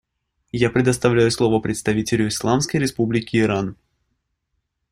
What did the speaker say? Я предоставляю слово представителю Исламской Республики Иран.